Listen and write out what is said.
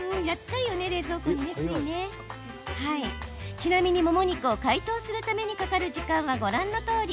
ちなみにもも肉を解凍するためにかかる時間はご覧のとおり。